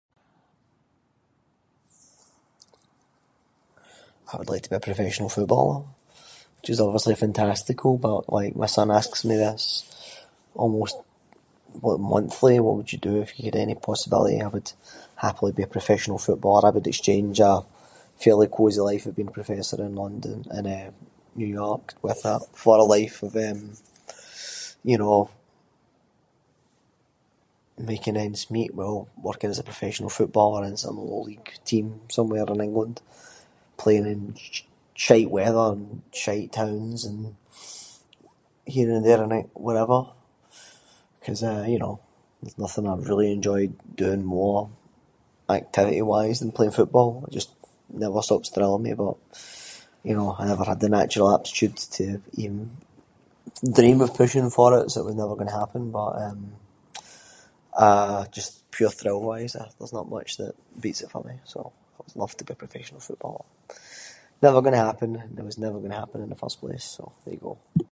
I would like to be a professional footballer which is obviously fantastical, but like my son asks me this almost monthly, what would you do if you had any possibility? I would happily be a professional footballer. I would exchange a fairly cosy life of being a professor in London- in eh New York with a- for a life of eh, you know, making ends meet while working as a professional footballer in some low-league team somewhere in England, playing in shite weather and shite towns here and there and wherever, ‘cause eh you know, there’s nothing I enjoy doing more activity-wise than playing football, it just never stops thrilling me but you know, I never had the natural aptitude to even dream of pushing for it, so it was never going to happen. But eh, pure thrill wise there’s not much that beats it for me, so I would love to be a professional footballer. Never going to happen, it was never going to happen in the first place, so there you go.